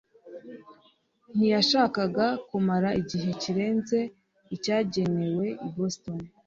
ntiyashakaga kumara igihe kirenze icyakenewe i Boston.